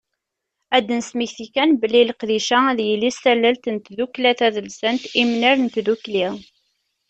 Ad d-nesmekti kan belli leqdic-a ad yili s tallelt n tddukkla tadelsant Imnar n Tdukli.